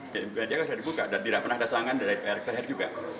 jadi dia kan sudah dibuka dan tidak pernah dasarkan dari pak erick tahir juga